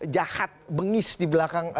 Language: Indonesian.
jahat bengis di belakang